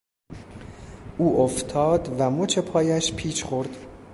او افتاد و مچ پایش پیچ خورد.